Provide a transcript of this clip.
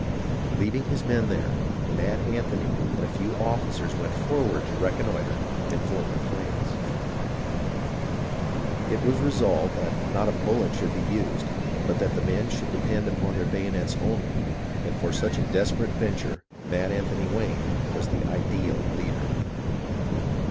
Leaving his men there. Mad Anthony and a few officers went forward to reconnoitre and form their plans. It was resolved that not a bullet should be used, but that the men should depend upon their bayonets only ; and for such a desperate venture Mad Anthony Wayne was the ideal leader.